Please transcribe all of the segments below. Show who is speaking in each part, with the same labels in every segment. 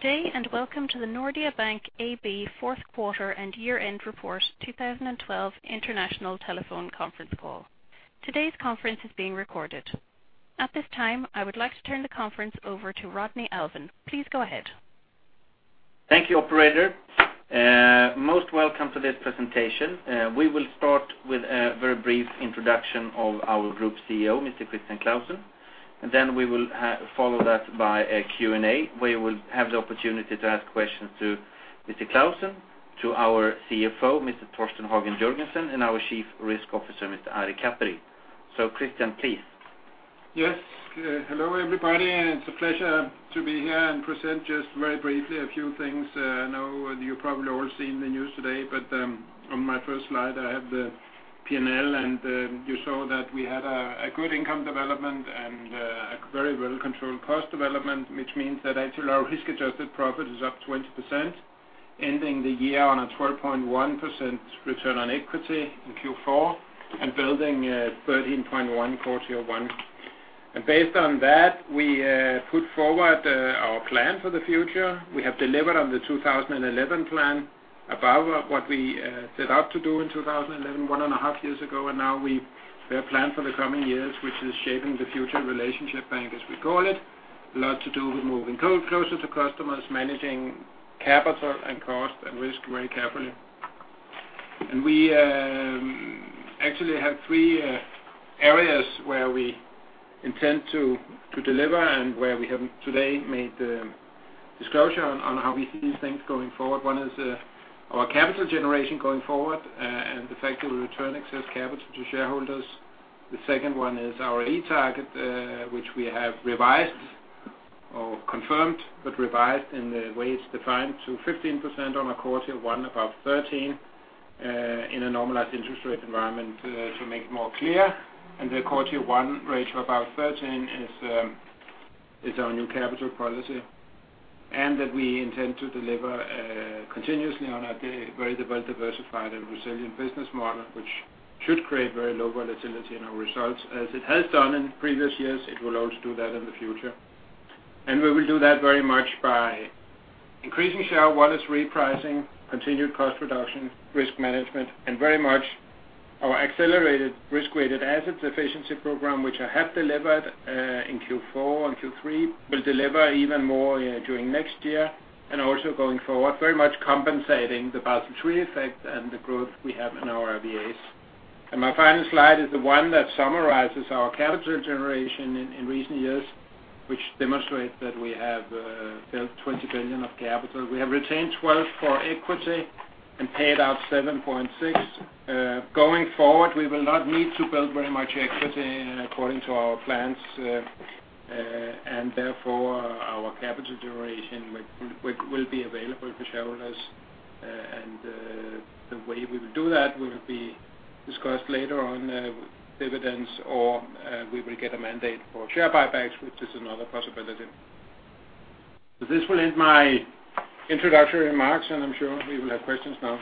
Speaker 1: Good day, and welcome to the Nordea Bank Abp fourth quarter and year-end report 2012 international telephone conference call. Today's conference is being recorded. At this time, I would like to turn the conference over to Rodney Alfvén. Please go ahead.
Speaker 2: Thank you, operator. Most welcome to this presentation. We will start with a very brief introduction of our Group CEO, Mr. Christian Clausen, then we will follow that by a Q&A, where you will have the opportunity to ask questions to Mr. Clausen, to our CFO, Mr. Torsten Jørgensen, and our Chief Risk Officer, Mr. Ari Kaperi. Christian, please.
Speaker 3: Yes. Hello, everybody. It's a pleasure to be here and present just very briefly a few things. I know you probably all seen the news today, but on my first slide, I have the P&L, and you saw that we had a good income development and a very well-controlled cost development, which means that actually our risk-adjusted profit is up 20%, ending the year on a 12.1% return on equity in Q4 and building a 13.1% in quarter one. Based on that, we put forward our plan for the future. We have delivered on the 2011 plan above what we set out to do in 2011, one and a half years ago. Now we have planned for the coming years, which is shaping the future relationship bank, as we call it. A lot to do with moving closer to customers, managing capital and cost and risk very carefully. We actually have three areas where we intend to deliver and where we have today made a disclosure on how we see things going forward. One is our capital generation going forward and the fact that we return excess capital to shareholders. The second one is our ROE target, which we have revised or confirmed but revised in the way it's defined to 15% on a quarter one above 13% in a normalized interest rate environment to make it more clear. The quarter one ratio above 13% is our new capital policy, and that we intend to deliver continuously on a very well-diversified and resilient business model, which should create very low volatility in our results, as it has done in previous years. It will also do that in the future. We will do that very much by increasing share wallets, repricing, continued cost reduction, risk management, and very much our accelerated risk-weighted assets efficiency program, which I have delivered in Q4 and Q3 will deliver even more during next year and also going forward, very much compensating the Basel III effect and the growth we have in our RWAs. My final slide is the one that summarizes our capital generation in recent years, which demonstrates that we have built 20 billion of capital. We have retained 12 for equity and paid out 7.6. Going forward, we will not need to build very much equity according to our plans, and therefore our capital generation will be available for shareholders. The way we will do that will be discussed later on dividends, or we will get a mandate for share buybacks, which is another possibility. This will end my introductory remarks, and I'm sure we will have questions now.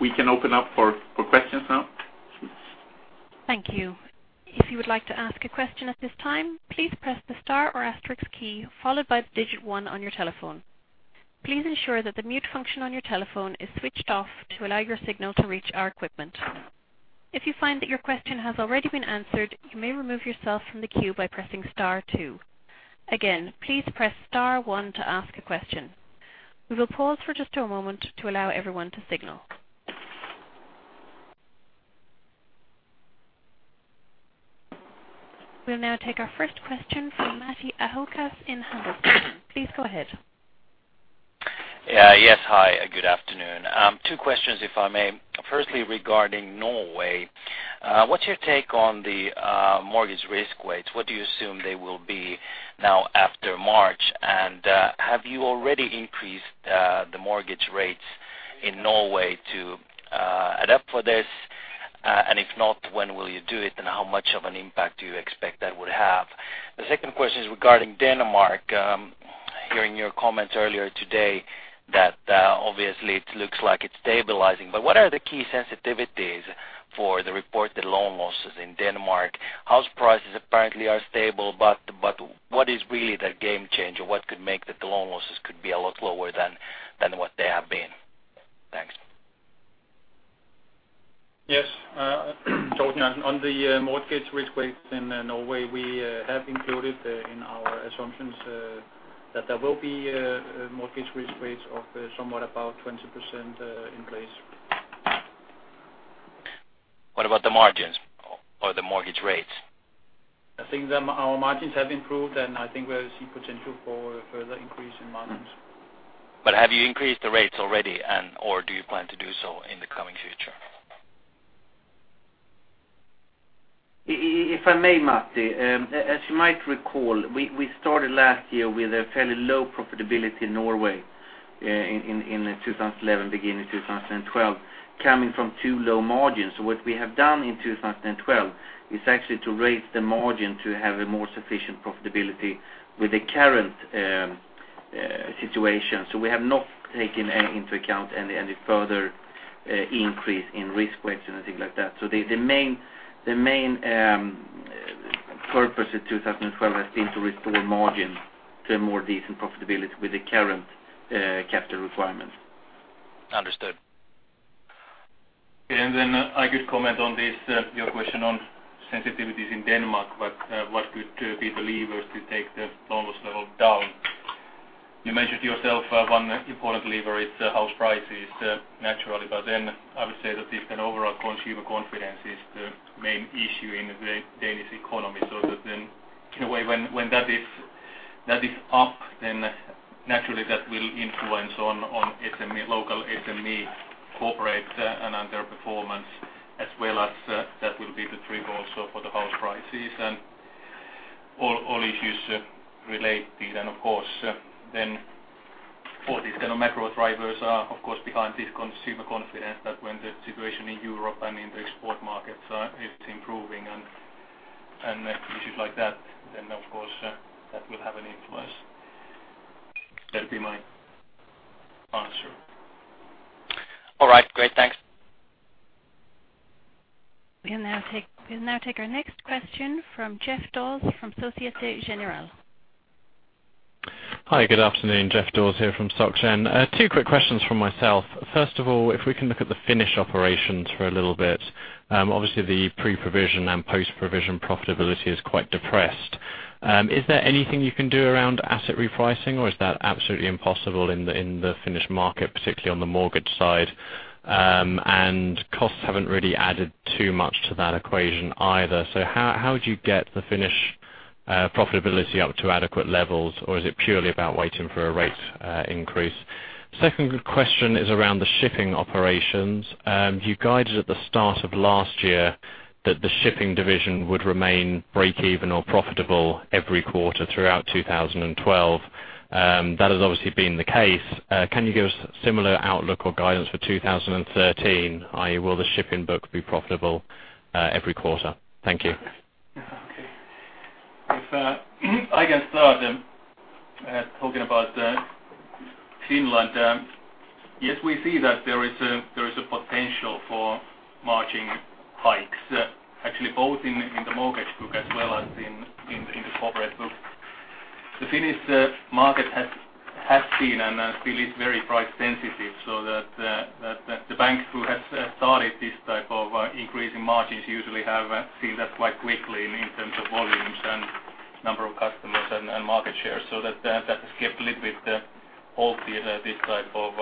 Speaker 3: We can open up for questions now.
Speaker 1: Thank you. If you would like to ask a question at this time, please press the star or asterisk key followed by digit 1 on your telephone. Please ensure that the mute function on your telephone is switched off to allow your signal to reach our equipment. If you find that your question has already been answered, you may remove yourself from the queue by pressing star 2. Again, please press star 1 to ask a question. We will pause for just a moment to allow everyone to signal. We will now take our first question from Matti Ahokas in Handelsbanken. Please go ahead.
Speaker 4: Yes, hi. Good afternoon. Two questions if I may. Firstly, regarding Norway, what's your take on the mortgage risk weights? What do you assume they will be now after March? Have you already increased the mortgage rates in Norway to adapt for this? If not, when will you do it, and how much of an impact do you expect that would have? The second question is regarding Denmark. Hearing your comments earlier today that obviously it looks like it's stabilizing, but what are the key sensitivities for the reported loan losses in Denmark? House prices apparently are stable, but what is really the game changer? What could make that the loan losses could be a lot lower than what they have been? Thanks.
Speaker 3: Yes. On the mortgage risk weights in Norway, we have included in our assumptions that there will be mortgage risk weights of somewhat about 20% in place.
Speaker 4: What about the margins or the mortgage rates?
Speaker 3: I think our margins have improved, and I think we see potential for a further increase in margins.
Speaker 4: Have you increased the rates already and/or do you plan to do so in the coming future?
Speaker 2: If I may, Matti, as you might recall, we started last year with a fairly low profitability in Norway in 2011, beginning 2012, coming from too low margins. What we have done in 2012 is actually to raise the margin to have a more sufficient profitability with the current situation. We have not taken into account any further increase in risk weights and things like that. The main purpose of 2012 has been to restore margin to a more decent profitability with the current capital requirements.
Speaker 4: Understood.
Speaker 5: I could comment on this, your question on sensitivities in Denmark, what could be the levers to take the loan loss level down. You mentioned yourself one important lever is house prices, naturally. I would say that the overall consumer confidence is the main issue in the Danish economy. When that is up, then naturally that will influence on local SME, corporate and under performance, as well as that will be the trigger also for the house prices and all issues relate. Of course, for these kind of macro drivers are, of course, behind this consumer confidence that when the situation in Europe and in the export markets are improving and issues like that will have an influence. That would be my answer.
Speaker 4: All right, great. Thanks.
Speaker 1: We'll now take our next question from Geoff Dawes from Société Générale.
Speaker 6: Hi, good afternoon, Geoff Dawes here from Soc Gen. Two quick questions from myself. First of all, if we can look at the Finnish operations for a little bit. Obviously, the pre-provision and post-provision profitability is quite depressed. Is there anything you can do around asset repricing, or is that absolutely impossible in the Finnish market, particularly on the mortgage side? Costs haven't really added too much to that equation either. How would you get the Finnish profitability up to adequate levels, or is it purely about waiting for a rate increase? Second question is around the shipping operations. You guided at the start of last year that the shipping division would remain break-even or profitable every quarter throughout 2012. That has obviously been the case. Can you give us similar outlook or guidance for 2013? Will the shipping book be profitable every quarter? Thank you.
Speaker 5: Okay. If I can start talking about Finland. Yes, we see that there is a potential for margin hikes. Actually, both in the mortgage book as well as in the corporate book. The Finnish market has been and still is very price sensitive, so that the banks who have started this type of increasing margins usually have seen that quite quickly in terms of volumes and number of customers and market share. That has kept a little bit this type of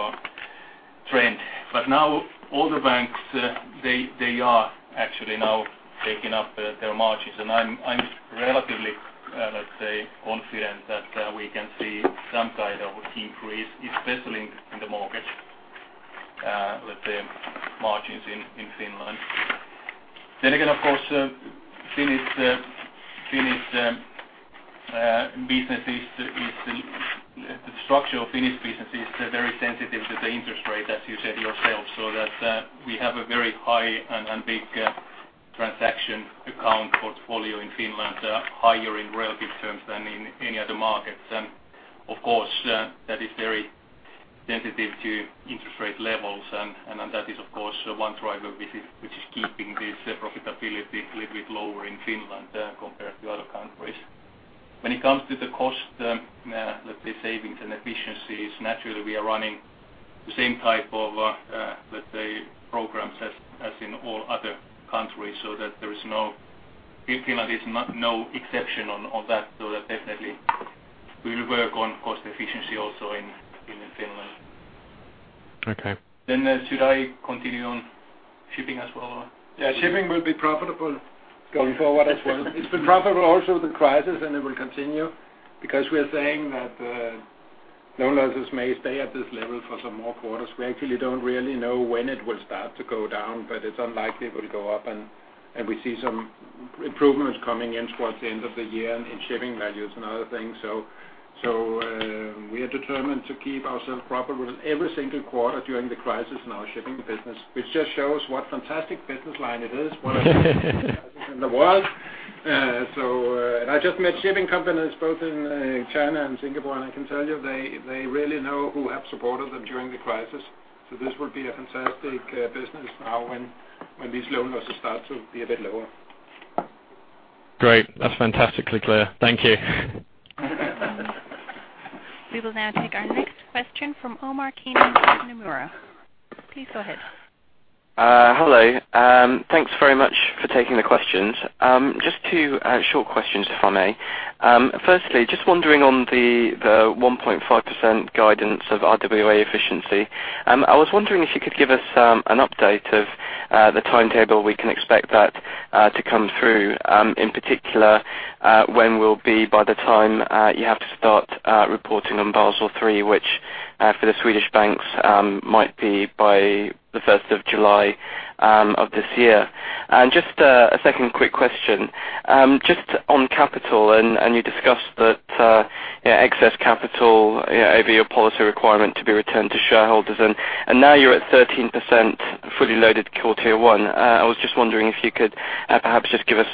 Speaker 5: trend. Now all the banks, they are actually now taking up their margins. I'm relatively, let's say, confident that we can see some type of increase, especially in the mortgage margins in Finland. Again, of course, the structure of Finnish business is very sensitive to the interest rate, as you said yourself. That we have a very high and big transaction account portfolio in Finland, higher in relative terms than in any other markets. Of course, that is very sensitive to interest rate levels. That is, of course, one driver which is keeping this profitability a little bit lower in Finland compared to other countries. When it comes to the cost, let's say savings and efficiencies, naturally, we are running the same type of programs as in all other countries, Finland is no exception on that. That definitely we will work on cost efficiency also in Finland.
Speaker 6: Okay.
Speaker 5: Should I continue on shipping as well?
Speaker 3: Yeah, shipping will be profitable going forward as well. It's been profitable through the crisis, and it will continue. We are saying that loan losses may stay at this level for some more quarters. We actually don't really know when it will start to go down, but it's unlikely it will go up, and we see some improvements coming in towards the end of the year in shipping values and other things. We are determined to keep ourselves profitable every single quarter during the crisis in our shipping business, which just shows what fantastic business line it is in the world. I just met shipping companies both in China and Singapore, and I can tell you, they really know who have supported them during the crisis. This will be a fantastic business now when these loan losses start to be a bit lower.
Speaker 6: Great. That's fantastically clear. Thank you.
Speaker 1: We will now take our next question from Omar Keenan in Nomura. Please go ahead.
Speaker 7: Hello. Thanks very much for taking the questions. Just two short questions, if I may. Firstly, just wondering on the 1.5% guidance of RWA efficiency. I was wondering if you could give us an update of the timetable we can expect that to come through. In particular, when will be by the time you have to start reporting on Basel III, which for the Swedish banks might be by the 1st of July of this year. Just a second quick question. Just on capital, and you discussed that excess capital over your policy requirement to be returned to shareholders, and now you're at 13% fully loaded Core Tier 1. I was just wondering if you could perhaps just give us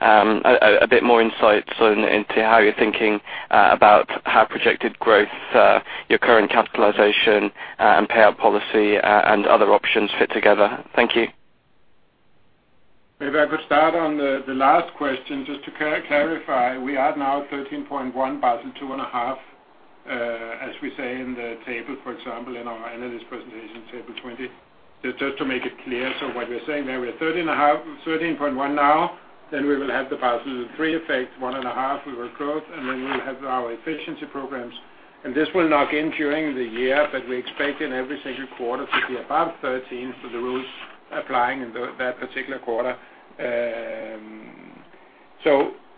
Speaker 7: a bit more insight into how you're thinking about how projected growth, your current capitalization, and payout policy, and other options fit together. Thank you.
Speaker 5: Maybe I could start on the last question. Just to clarify, we are now at 13.1 Basel 2.5, as we say in the table, for example, in our analyst presentation table 20. Just to make it clear, what we're saying there, we are 13.1 now, then we will have the Basel III effect, 1.5 we will grow, and then we will have our efficiency programs. This will knock in during the year, but we expect in every single quarter to be above 13 for the rules applying in that particular quarter.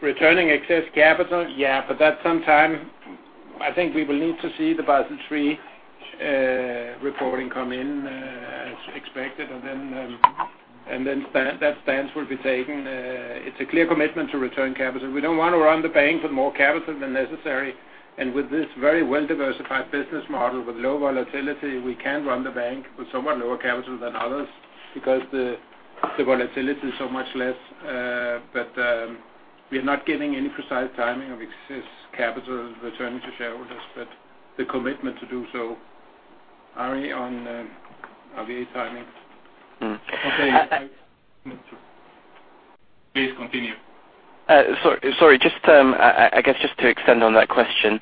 Speaker 5: Returning excess capital, yeah, but that's some time I think we will need to see the Basel III reporting come in as expected, and then that stance will be taken. It's a clear commitment to return capital. We don't want to run the bank with more capital than necessary. With this very well-diversified business model with low volatility, we can run the bank with somewhat lower capital than others because the volatility is so much less. We are not giving any precise timing of excess capital returning to shareholders, but the commitment to do so. Ari, on the timing. Okay.
Speaker 3: Please continue.
Speaker 7: Sorry. I guess just to extend on that question.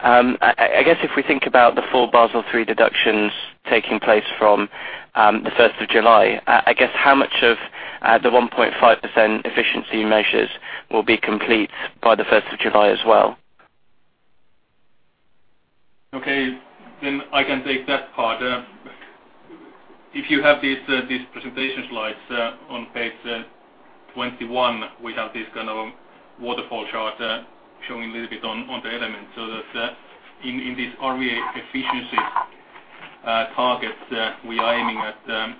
Speaker 7: I guess if we think about the full Basel III deductions taking place from the 1st of July, I guess how much of the 1.5% efficiency measures will be complete by the 1st of July as well?
Speaker 5: I can take that part. If you have these presentation slides on page 21, we have this kind of waterfall chart showing a little bit on the elements. In this RWA efficiency target, we are aiming at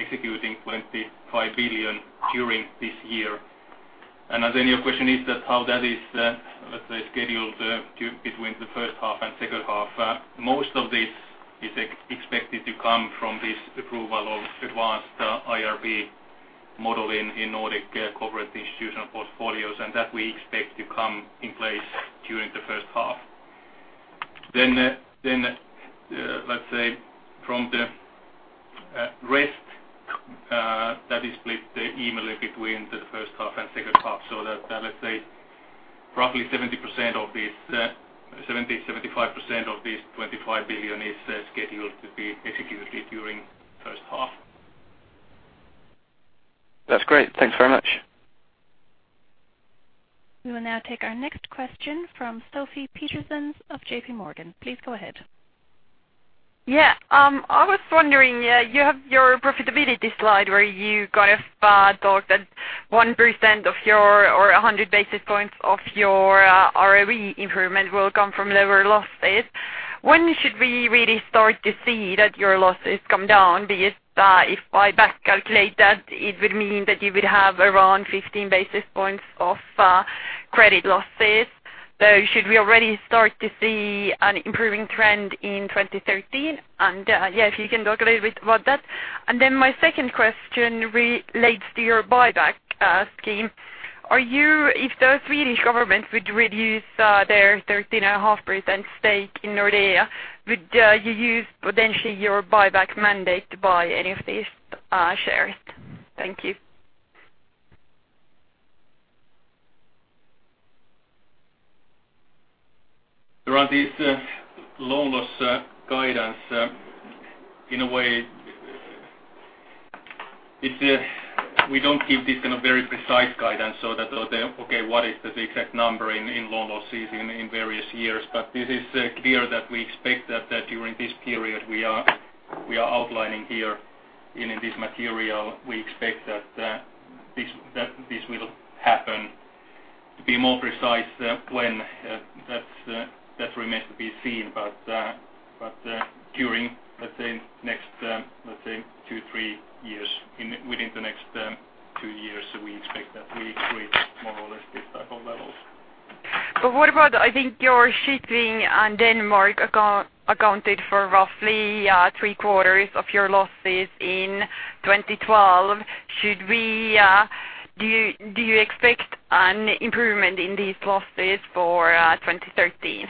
Speaker 5: executing 25 billion during this year. Your question is that how that is, let's say, scheduled between the first half and second half. Most of this is expected to come from this approval of advanced IRB modeling in Nordic corporate institutional portfolios, and that we expect to come in place during the first half. From the rest, that is split evenly between the first half and second half. Roughly 70%-75% of this 25 billion is scheduled to be executed during the first half.
Speaker 7: That's great. Thanks very much.
Speaker 1: We will now take our next question from Sophie Petersen of JP Morgan. Please go ahead.
Speaker 8: Yeah. I was wondering, you have your profitability slide where you kind of thought that 1% of your, or 100 basis points of your ROE improvement will come from lower losses. When should we really start to see that your losses come down? If I back calculate that, it would mean that you would have around 15 basis points of credit losses. Should we already start to see an improving trend in 2013? Yeah, if you can talk a little bit about that. My second question relates to your buyback scheme. If the Swedish government would reduce their 13.5% stake in Nordea, would you use potentially your buyback mandate to buy any of these shares? Thank you.
Speaker 5: Around this loan loss guidance, in a way, we don't give this kind of very precise guidance so that, okay, what is the exact number in loan losses in various years. This is clear that we expect that during this period we are outlining here in this material, we expect that this will happen. To be more precise when, that remains to be seen, but during, let's say, next two, three years. Within the next two years, we expect that we create more or less this type of levels.
Speaker 8: What about, I think your shipping on Denmark accounted for roughly three-quarters of your losses in 2012. Do you expect an improvement in these losses for 2013?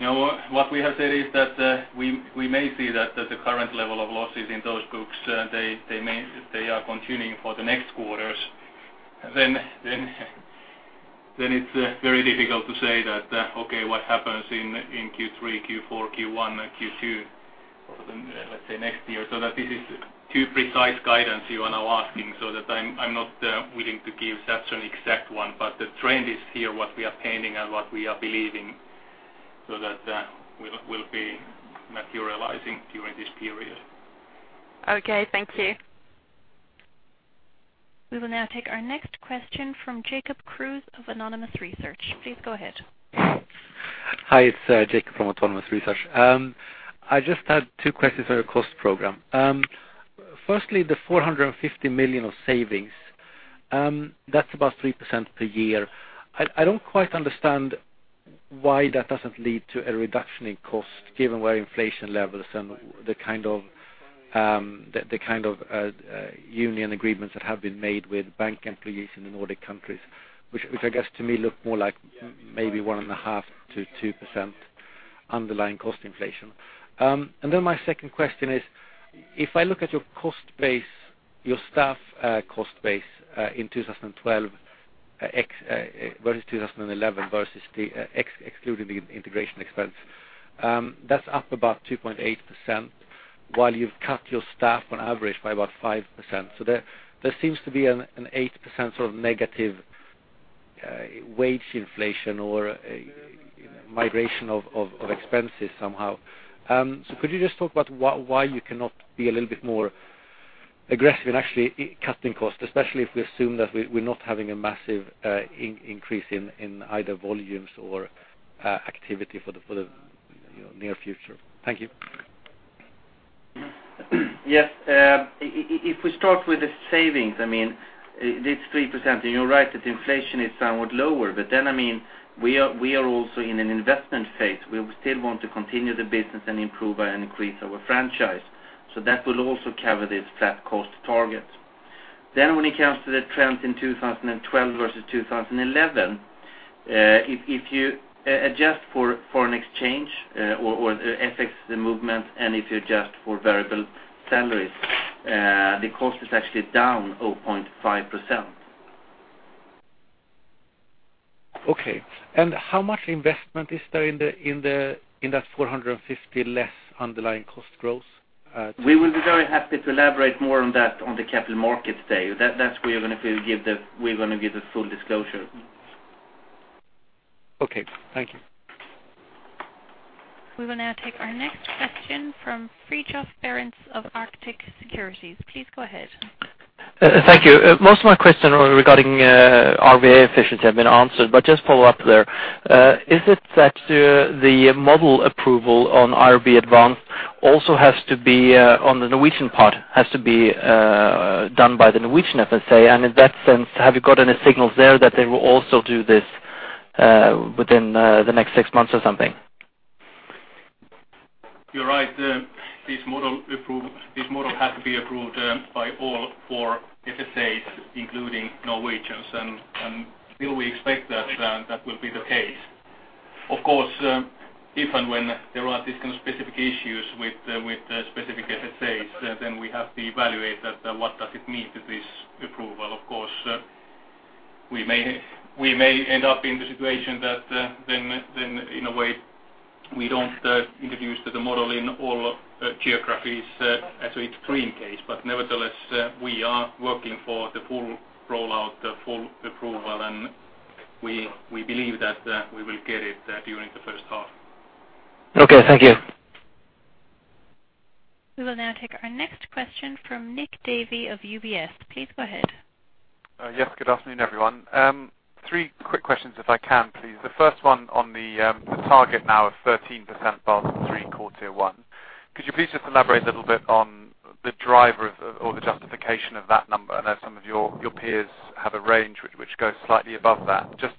Speaker 5: No. What we have said is that we may see that the current level of losses in those groups, they are continuing for the next quarters. It's very difficult to say that, okay, what happens in Q3, Q4, Q1, and Q2, let's say, next year. This is too precise guidance you are now asking, so that I'm not willing to give such an exact one. The trend is here, what we are painting and what we are believing, so that will be materializing during this period.
Speaker 8: Okay. Thank you.
Speaker 1: We will now take our next question from Jacob Kruse of Autonomous Research. Please go ahead.
Speaker 9: Hi, it's Jacob from Autonomous Research. I just had two questions on your cost program. Firstly, the 450 million of savings, that's about 3% per year. I don't quite understand why that doesn't lead to a reduction in cost given where inflation levels and the kind of union agreements that have been made with bank employees in the Nordic countries, which I guess to me look more like maybe 1.5%-2% underlying cost inflation. My second question is if I look at your staff cost base in 2012 versus 2011 versus excluding the integration expense, that's up about 2.8% while you've cut your staff on average by about 5%. There seems to be an 8% sort of negative wage inflation or a migration of expenses somehow. Could you just talk about why you cannot be a little bit more aggressive in actually cutting costs, especially if we assume that we're not having a massive increase in either volumes or activity for the near future. Thank you.
Speaker 2: Yes. If we start with the savings, this 3%, you're right that inflation is somewhat lower. We are also in an investment phase. We still want to continue the business and improve and increase our franchise. That will also cover this flat cost target. When it comes to the trends in 2012 versus 2011, if you adjust for foreign exchange or the FX, the movement, if you adjust for variable salaries, the cost is actually down 0.5%.
Speaker 9: Okay. How much investment is there in that 450 less underlying cost growth?
Speaker 2: We will be very happy to elaborate more on that on the Capital Markets Day. That's where we're going to give the full disclosure.
Speaker 9: Okay. Thank you.
Speaker 1: We will now take our next question from Fridtjof Berents of Arctic Securities. Please go ahead.
Speaker 10: Thank you. Most of my question regarding RWA efficiency have been answered, just follow up there. Is it that the model approval on IRB Advanced also has to be on the Norwegian part, has to be done by the Norwegian FSA? In that sense, have you got any signals there that they will also do this within the next six months or something?
Speaker 5: You're right. This model has to be approved by all four FSAs, including Norwegians, still we expect that that will be the case. Of course, if and when there are these kind of specific issues with specific FSAs, we have to evaluate that what does it mean to this approval. Of course, we may end up in the situation that in a way we don't introduce the model in all geographies as we'd dream case. Nevertheless, we are working for the full rollout, the full approval, and we believe that we will get it during the first half.
Speaker 10: Okay, thank you.
Speaker 1: We will now take our next question from Nick Davey of UBS. Please go ahead.
Speaker 11: Yes, good afternoon, everyone. Three quick questions if I can, please. The first one on the target now of 13% Basel III quarter one. Could you please just elaborate a little bit on the driver of, or the justification of that number? I know some of your peers have a range which goes slightly above that. Just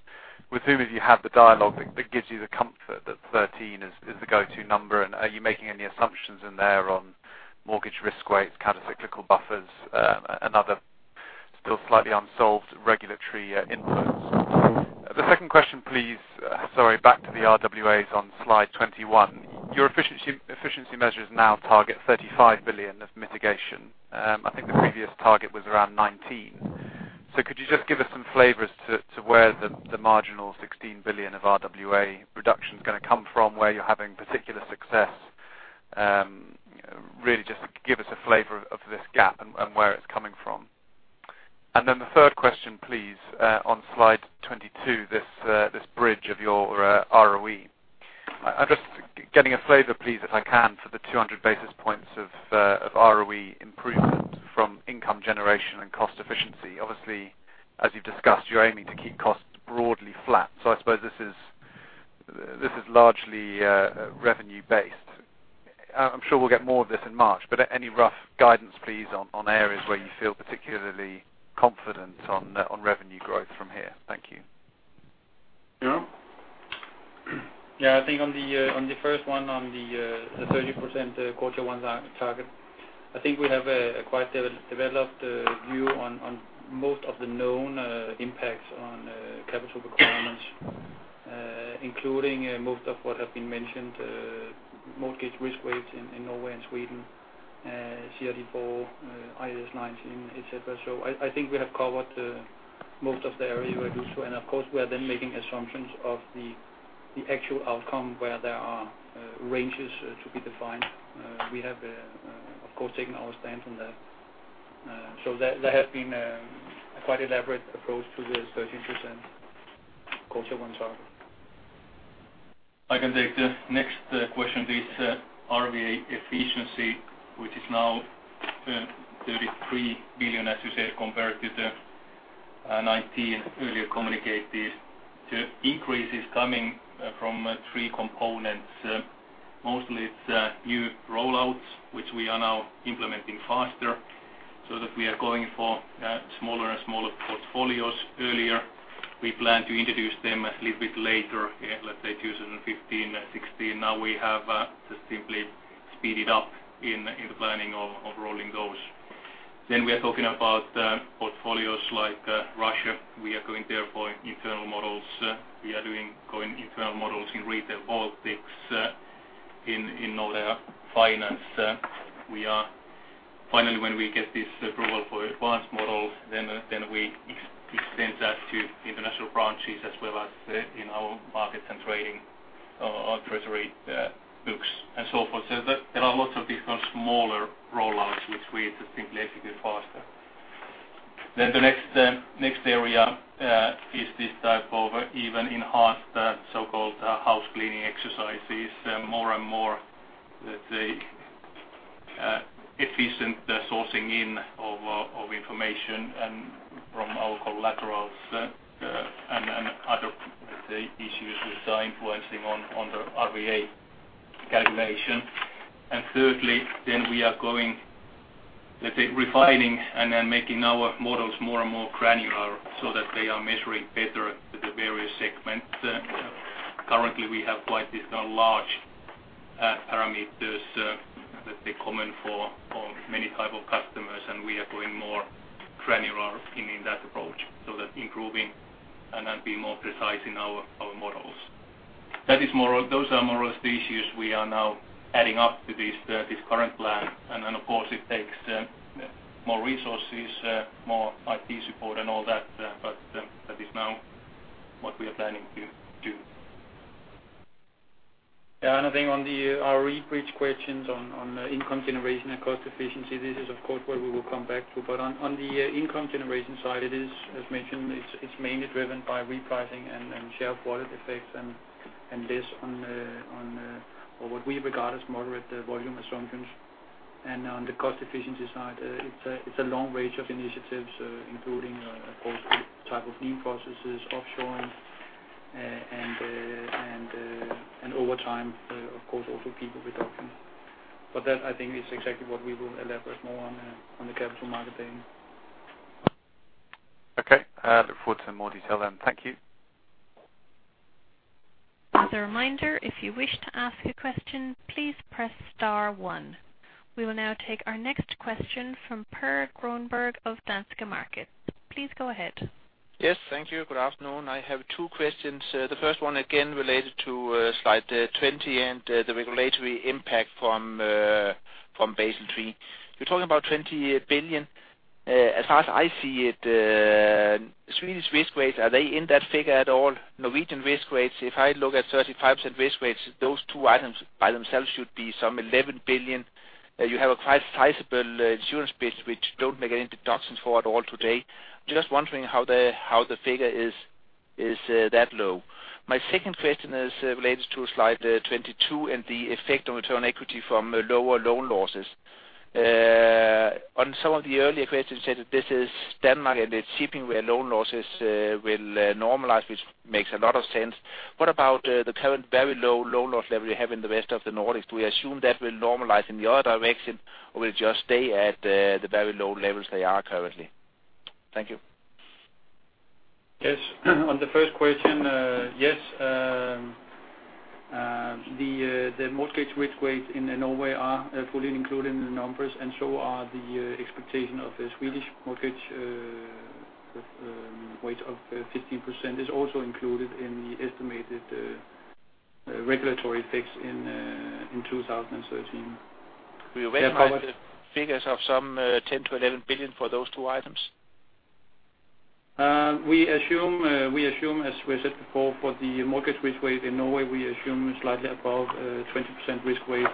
Speaker 11: with whom have you had the dialogue that gives you the comfort that 13 is the go-to number, and are you making any assumptions in there on mortgage risk weights, countercyclical buffers, and other still slightly unsolved regulatory inputs? The second question, please, sorry, back to the RWAs on slide 21. Your efficiency measures now target 35 billion of mitigation. I think the previous target was around 19 billion. Could you just give us some flavors to where the marginal 16 billion of RWA reduction is going to come from, where you're having particular success. Really just give us a flavor of this gap and where it's coming from. The third question, please, on slide 22, this bridge of your ROE. Just getting a flavor, please, if I can, for the 200 basis points of ROE improvement from income generation and cost efficiency. Obviously, as you've discussed, you're aiming to keep costs broadly flat. I suppose this is largely revenue based. I'm sure we'll get more of this in March, but any rough guidance, please, on areas where you feel particularly confident on revenue growth from here. Thank you.
Speaker 2: Yeah.
Speaker 12: I think on the first one on the 13% quarter one target, I think we have a quite developed view on most of the known impacts on capital requirements, including most of what have been mentioned, mortgage risk weights in Norway and Sweden, CRD IV, IAS 19, et cetera. I think we have covered most of the areas where these two, and of course, we are then making assumptions of the actual outcome where there are ranges to be defined. We have, of course, taken our stand on that. There has been a quite elaborate approach to this 30% quarter one target.
Speaker 5: I can take the next question. This RWA efficiency, which is now 33 billion, as you said, compared to the 19 earlier communicated. The increase is coming from three components. Mostly it's new rollouts, which we are now implementing faster, so that we are going for smaller and smaller portfolios. Earlier, we planned to introduce them a little bit later, let's say 2015, 2016. We have just simply speeded up in the planning of rolling those. We are talking about portfolios like Russia. We are going there for internal models. We are doing internal models in retail Baltics, in Nordea Finance. Finally, when we get this approval for advanced models, we extend that to international branches as well as in our markets and trading or treasury books and so forth. There are lots of these kind of smaller rollouts which we just simply execute faster. The next area is this type of even enhanced, so-called housecleaning exercises, more and more efficient sourcing in of information and from our collaterals and other issues which are influencing on the RWA calculation. Thirdly, we are refining and then making our models more and more granular so that they are measuring better the various segments. Currently, we have quite large parameters that they comment for on many type of customers, and we are going more granular in that approach, so that improving and then being more precise in our models. Those are more or less the issues we are now adding up to this current plan, and then of course it takes more resources, more IT support and all that. That is now what we are planning to do.
Speaker 12: Yeah. I think on the ROE bridge questions on the income generation and cost efficiency, this is of course where we will come back to. On the income generation side, it is, as mentioned, it's mainly driven by repricing and share of wallet effects and less on or what we regard as moderate volume assumptions. On the cost efficiency side, it's a long range of initiatives including, of course, type of lean processes, offshoring, and over time, of course, also people reduction. That, I think, is exactly what we will elaborate more on the Capital Markets Day.
Speaker 11: Okay. Look forward to more detail then. Thank you.
Speaker 1: As a reminder, if you wish to ask a question, please press star one. We will now take our next question from Per Grønborg of Danske Markets. Please go ahead.
Speaker 13: Yes, thank you. Good afternoon. I have two questions. The first one again related to Slide 20 and the regulatory impact from Basel III. You are talking about 20 billion. As far as I see it, Swedish risk weights, are they in that figure at all? Norwegian risk weights, if I look at 35% risk weights, those two items by themselves should be some 11 billion. You have a quite sizable insurance bit which do not make any deductions for at all today. Just wondering how the figure is that low. My second question is related to Slide 22 and the effect on return on equity from lower loan losses. On some of the earlier questions you said that this is Denmark and it is shipping where loan losses will normalize, which makes a lot of sense. What about the current very low loan loss level you have in the rest of the Nordics? Do we assume that will normalize in the other direction, or will it just stay at the very low levels they are currently? Thank you.
Speaker 12: Yes. On the first question yes, the mortgage risk weights in Norway are fully included in the numbers and so are the expectation of the Swedish mortgage weight of 15% is also included in the estimated regulatory effects in 2013.
Speaker 13: Will you estimate the figures of some 10 billion-11 billion for those two items?
Speaker 12: We assume, as we said before, for the mortgage risk weight in Norway, we assume slightly above 20% risk weight.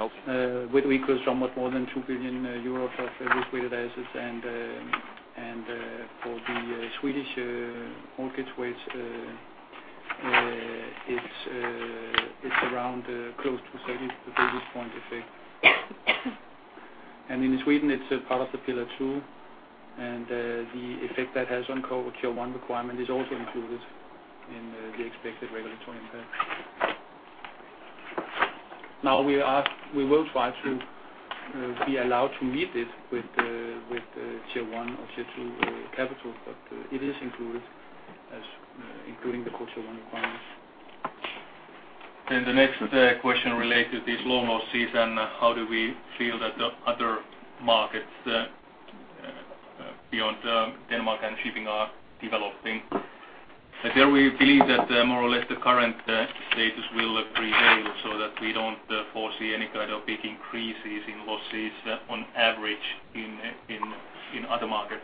Speaker 13: Okay
Speaker 12: which equals somewhat more than two billion euros of risk-weighted assets. For the Swedish mortgage weights it's around close to 30, the previous point effect. In Sweden it's a part of the Pillar 2, and the effect that has on Core Tier 1 requirement is also included in the expected regulatory impact. We will try to be allowed to meet this with Tier 1 or Tier 2 capital, but it is included as including the Core Tier 1 requirements.
Speaker 5: The next question relate to these loan losses and how do we feel that the other markets beyond Denmark and shipping are developing. There we believe that more or less the current status will prevail so that we don't foresee any kind of big increases in losses on average in other markets.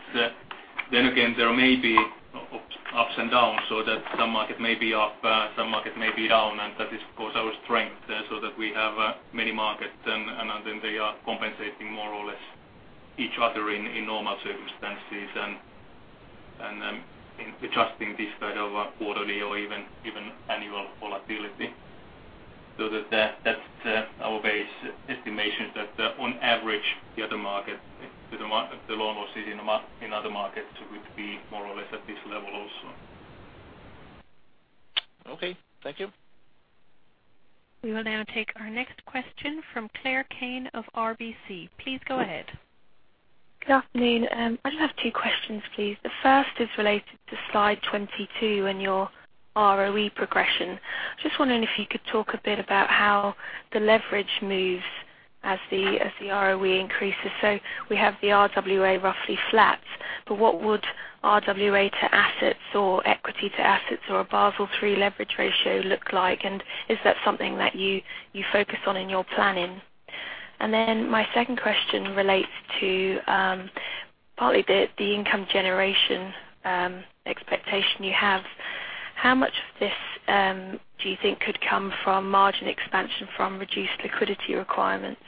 Speaker 5: Again, there may be ups and downs so that some market may be up, some market may be down, and that is of course our strength so that we have many markets and then they are compensating more or less each other in normal circumstances.
Speaker 12: Adjusting this sort of quarterly or even annual volatility. That's our base estimation, that on average, the other market, the loan losses in other markets would be more or less at this level also.
Speaker 5: Okay. Thank you.
Speaker 1: We will now take our next question from Claire Kane of RBC. Please go ahead.
Speaker 14: Good afternoon. I just have two questions, please. The first is related to slide 22 and your ROE progression. Just wondering if you could talk a bit about how the leverage moves as the ROE increases. We have the RWA roughly flat, but what would RWA to assets or equity to assets or a Basel III leverage ratio look like? Is that something that you focus on in your planning? My second question relates to partly the income generation expectation you have. How much of this, do you think could come from margin expansion from reduced liquidity requirements?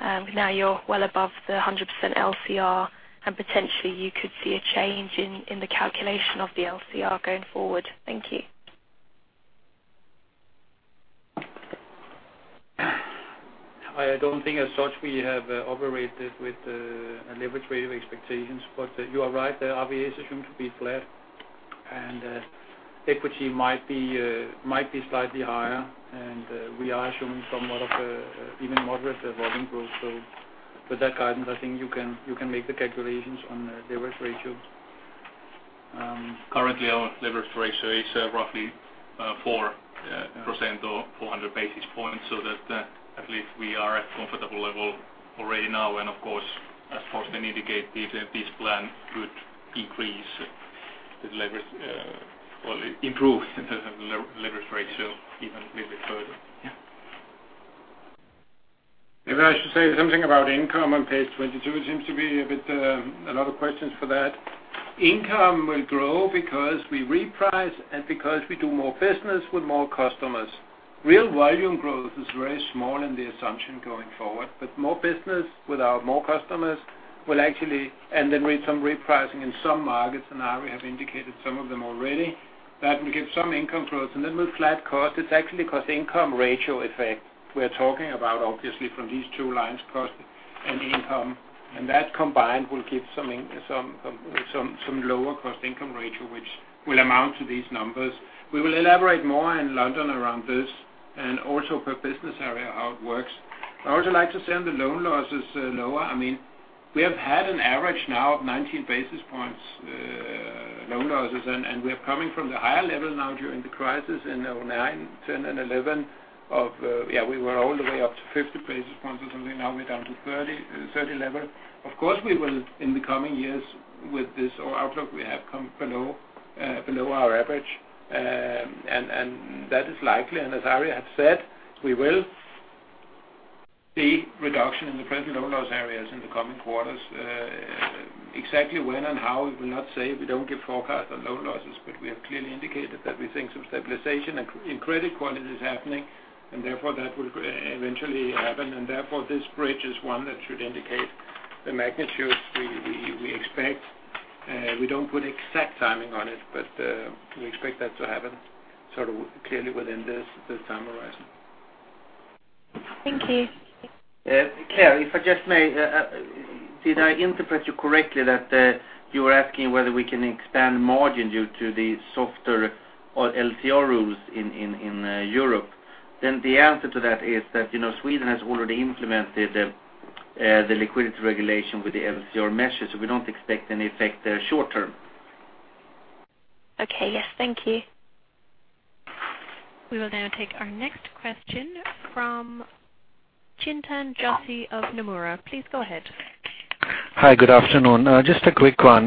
Speaker 14: Now you're well above the 100% LCR and potentially you could see a change in the calculation of the LCR going forward. Thank you.
Speaker 12: I don't think as such we have operated with a leverage rate of expectations. You are right, the RWA is assumed to be flat and equity might be slightly higher. We are assuming somewhat of even moderate volume growth. With that guidance, I think you can make the calculations on leverage ratios.
Speaker 5: Currently, our leverage ratio is roughly 4% or 400 basis points, that at least we are at comfortable level already now. Of course, as Torsten indicate, this plan could increase the leverage, well improve in terms of leverage ratio even a little bit further.
Speaker 12: Yeah.
Speaker 3: Maybe I should say something about income on page 22. It seems to be a lot of questions for that. Income will grow because we reprice and because we do more business with more customers. Real volume growth is very small in the assumption going forward, but more business with our more customers will actually, and then with some repricing in some markets, and Ari has indicated some of them already. That will give some income growth and then with flat cost, it's actually cost income ratio effect we're talking about obviously from these two lines, cost and income. That combined will give some lower cost income ratio, which will amount to these numbers. We will elaborate more in London around this and also per business area, how it works. I would also like to say on the loan losses, Noah, we have had an average now of 19 basis points loan losses, and we're coming from the higher level now during the crisis in 2009, 2010 and 2011, we were all the way up to 50 basis points or something. Now we're down to 30 level. Of course, we will, in the coming years with this outlook, we have come below our average. That is likely, and as Ari has said, we will see reduction in the present loan loss areas in the coming quarters. Exactly when and how, we will not say. We don't give forecast on loan losses, but we have clearly indicated that we think some stabilization in credit quality is happening, and therefore that will eventually happen. Therefore this bridge is one that should indicate the magnitudes we expect. We don't put exact timing on it, but we expect that to happen sort of clearly within this time horizon.
Speaker 14: Thank you.
Speaker 5: Claire, if I just may, did I interpret you correctly that you were asking whether we can expand margin due to the softer LCR rules in Europe? The answer to that is that Sweden has already implemented the liquidity regulation with the LCR measures. We don't expect any effect there short term.
Speaker 14: Okay. Yes. Thank you.
Speaker 1: We will now take our next question from Chintan Joshi of Nomura. Please go ahead.
Speaker 15: Hi. Good afternoon. Just a quick one.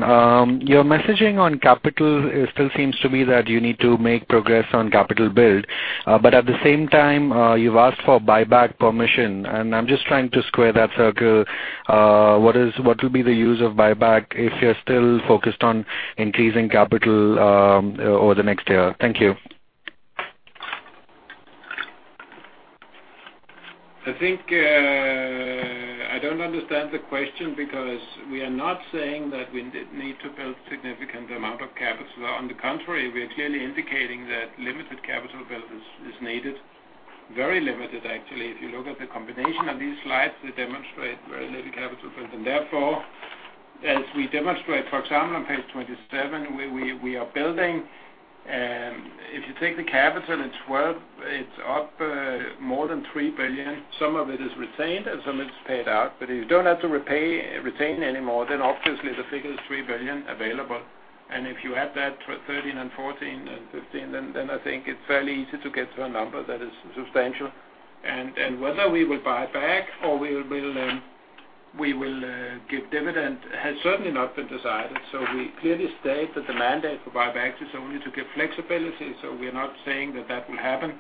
Speaker 15: Your messaging on capital still seems to be that you need to make progress on capital build. At the same time, you've asked for buyback permission, I'm just trying to square that circle. What will be the use of buyback if you're still focused on increasing capital over the next year? Thank you.
Speaker 12: I think I don't understand the question because we are not saying that we need to build significant amount of capital. On the contrary, we are clearly indicating that limited capital build is needed. Very limited actually. If you look at the combination of these slides, we demonstrate very little capital build. Therefore, as we demonstrate, for example, on page 27, we are building. If you take the capital, it's up more than 3 billion. Some of it is retained and some is paid out. If you don't have to retain anymore, then obviously the figure is 3 billion available. If you add that to 2013 and 2014 and 2015, then I think it's fairly easy to get to a number that is substantial. Whether we will buy back or we will give dividend has certainly not been decided. We clearly state that the mandate for buyback is only to give flexibility. We're not saying that will happen.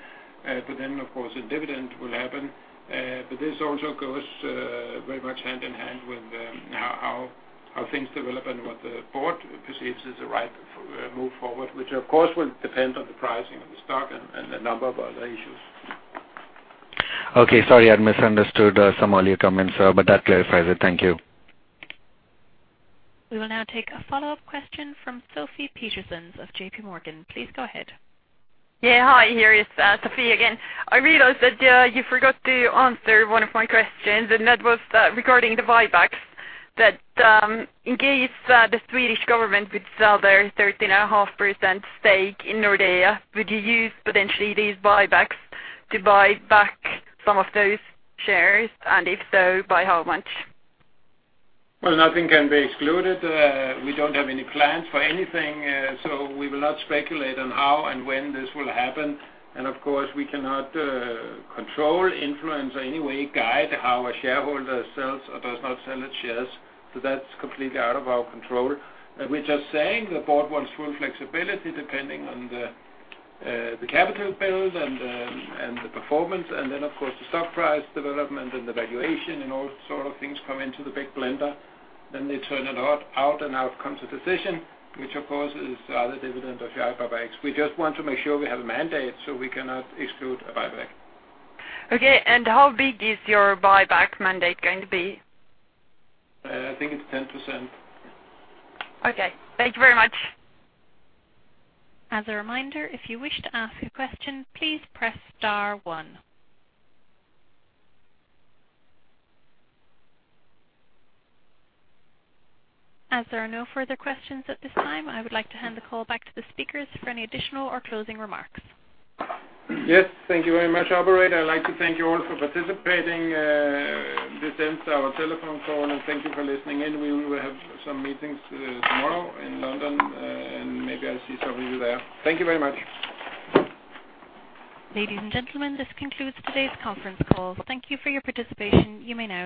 Speaker 12: Of course, a dividend will happen. This also goes very much hand in hand with how things develop and what the board perceives as the right move forward, which of course will depend on the pricing of the stock and a number of other issues.
Speaker 15: Okay, sorry, I misunderstood some earlier comments. That clarifies it. Thank you.
Speaker 1: We will now take a follow-up question from Sophie Petersen of J.P. Morgan. Please go ahead.
Speaker 8: Yeah. Hi, here is Sophie again. I realized that you forgot to answer one of my questions. That was regarding the buybacks, that in case the Swedish government would sell their 13.5% stake in Nordea, would you use potentially these buybacks to buy back some of those shares? If so, by how much?
Speaker 3: Well, nothing can be excluded. We don't have any plans for anything. We will not speculate on how and when this will happen. Of course, we cannot control, influence or any way guide how a shareholder sells or does not sell its shares. That's completely out of our control. We're just saying the board wants full flexibility depending on the capital build and the performance. Of course, the stock price development and the valuation and all sort of things come into the big blender. They turn a lot out. Out comes a decision, which, of course, is either dividend or share buybacks. We just want to make sure we have a mandate. We cannot exclude a buyback.
Speaker 8: Okay. How big is your buyback mandate going to be?
Speaker 3: I think it's 10%.
Speaker 8: Okay. Thank you very much.
Speaker 1: As a reminder, if you wish to ask a question, please press star one. There are no further questions at this time, I would like to hand the call back to the speakers for any additional or closing remarks.
Speaker 3: Yes. Thank you very much, operator. I'd like to thank you all for participating. This ends our telephone call, and thank you for listening in. We will have some meetings tomorrow in London, and maybe I'll see some of you there. Thank you very much.
Speaker 1: Ladies and gentlemen, this concludes today's conference call. Thank you for your participation. You may now disconnect.